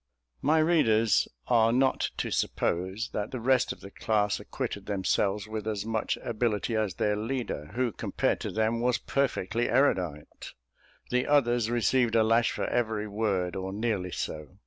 My readers are not to suppose that the rest of the class acquitted themselves with as much ability as their leader, who, compared to them, was perfectly erudite; the others received a lash for every word, or nearly so.